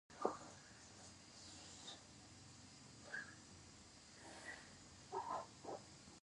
دولت له څو بیلا بیلو قواو جوړ شوی دی؟